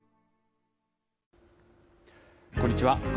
こんにちは。